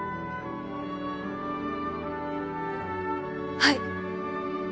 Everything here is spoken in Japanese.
はい